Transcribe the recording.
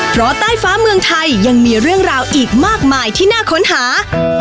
เพราะใต้ฟ้าเมืองไทยยังมีเรื่องราวอีกมากมายที่น่าค้นหา